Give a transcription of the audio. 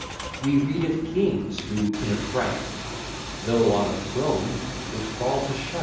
We read of kings, who, in a fright, Though on a throne, would fall to sh